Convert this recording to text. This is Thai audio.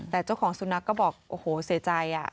แต่เจ้าของสุนัขก็บอกโอ้โหเสียใจ